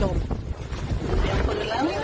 อืม